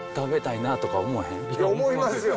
いや思いますよ。